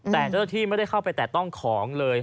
แต่เจ้าหน้าที่ไม่ได้เข้าไปแต่ต้องของเลย